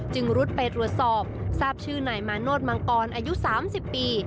รุดไปตรวจสอบทราบชื่อนายมาโนธมังกรอายุ๓๐ปี